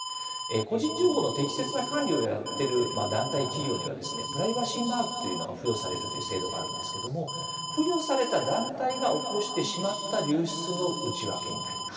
個人情報の適切な管理をやっている団体、企業にはプライバシーマークというのが付与されるという制度があるんですけれども付与された団体が起こしてしまった流出の内訳になります。